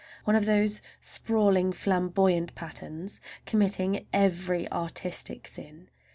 One of those sprawling flamboyant patterns committing every artistic sin.